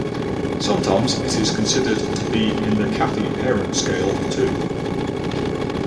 Sometimes it is considered to be in the Kafi parent scale too.